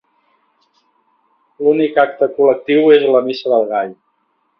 L'únic acte col·lectiu és la Missa del Gall.